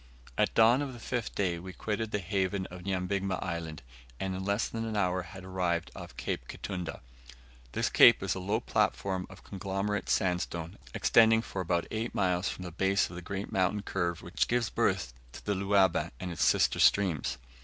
At dawn of the fifth day we quitted the haven of Nyabigma Island, and in less than an hour had arrived off Cape Kitunda. This cape is a low platform of conglomerate sandstone, extending for about eight miles from the base of the great mountain curve which gives birth to the Luaba and its sister streams.